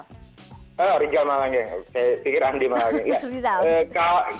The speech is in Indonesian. oh rizal malarangeng saya pikir andi malarangeng